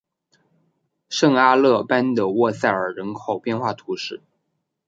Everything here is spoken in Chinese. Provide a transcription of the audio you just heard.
圣阿勒班德沃塞尔人口变化图示